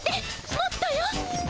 もっとよ。